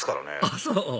あっそう？